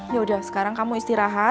yaudah sekarang kamu istirahat